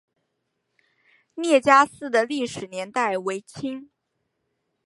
聂家寺的历史年代为清。